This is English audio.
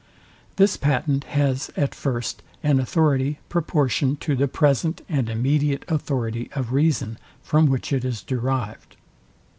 This patent has at first an authority, proportioned to the present and immediate authority of reason, from which it is derived.